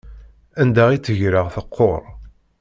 Anda i tt-greɣ teqquṛ.